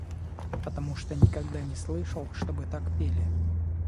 потому что никогда не слышал, чтобы так пели.